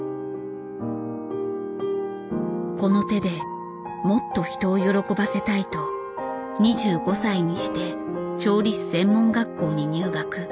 この手でもっと人を喜ばせたいと２５歳にして調理師専門学校に入学。